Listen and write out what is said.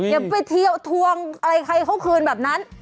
อย่าไปเที่ยวทวงอะไรใครเขาคืนแบบนั้น